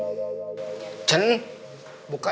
iya iya bisa ini juga saya mau keluar